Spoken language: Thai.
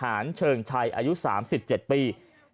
อายุเฉิงชัย๓๗ปี